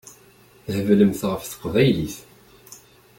Theblemt ɣef teqbaylit.